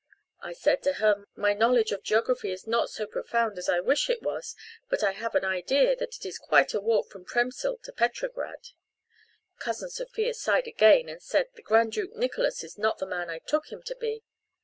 I said to her, 'My knowledge of geography is not so profound as I wish it was but I have an idea that it is quite a walk from Premysl to Petrograd.' Cousin Sophia sighed again and said, 'The Grand Duke Nicholas is not the man I took him to be.'